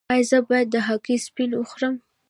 ایا زه باید د هګۍ سپین وخورم؟